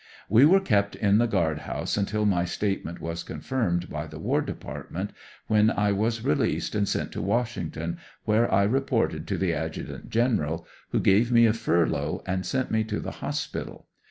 We were kept in the guard house until my statement was confirmed by the war department, when I was released and sent to Vv'ashington, where I reported to the Adjutant General who gave me a furlough and sent me to the hospi tal.